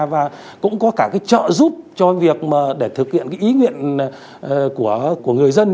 và cũng có cả trợ giúp cho việc để thực hiện ý nguyện của người dân